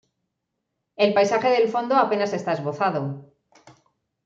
El paisaje del fondo apenas está esbozado.